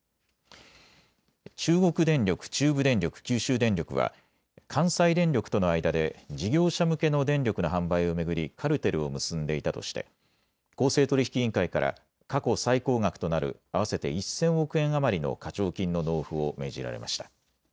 中国電力、中部電力、九州電力は関西電力との間で事業者向けの電力の販売を巡りカルテルを結んでいたとして公正取引委員会から過去最高額となる合わせて１０００億円余りの課徴金の納付を命じられました。